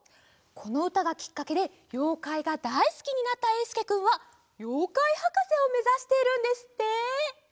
このうたがきっかけでようかいがだいすきになったえいすけくんはようかいはかせをめざしているんですって！